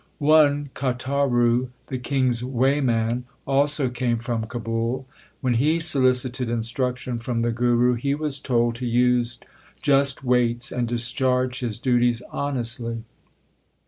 One Kataru, the king s weighman, also came from Kabul. When he solicited instruction from the Guru, he was told to use just weights and discharge his duties honestly.